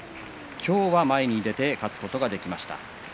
今日は前に出て勝つことができました。